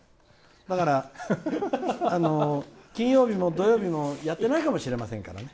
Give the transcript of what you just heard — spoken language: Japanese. だから、金曜日も土曜日もやってないかもしれません。